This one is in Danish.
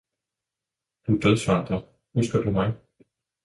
Du dødsvandrer, husker du mig!